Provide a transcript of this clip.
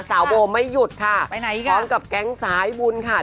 สาวโบไม่หยุดค่ะพร้อมกับแก๊งสายบุญค่ะไปไหนอีกค่ะ